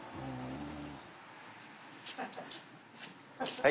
はい。